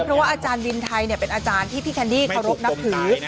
เพราะว่าอาจารย์วินไทยเป็นอาจารย์ที่พี่แคนดี้เคารพนับถือ